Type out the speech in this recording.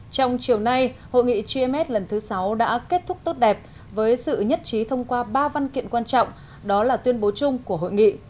trong chiều nay hội nghị gms lần thứ sáu đã kết thúc tốt đẹp với sự nhất trí thông qua ba văn kiện quan trọng đó là tuyên bố chung của hội nghị